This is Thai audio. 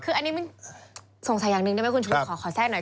คืออันนี้มันสงสัยอย่างหนึ่งได้ไหมคุณชุวิตขอแทรกหน่อย